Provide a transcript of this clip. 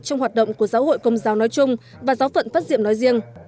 trong hoạt động của giáo hội công giáo nói chung và giáo phận phát diệm nói riêng